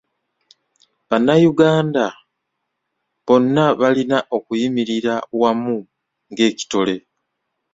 Bannayuganda bonna balina okuyimirira wamu ng'ekitole.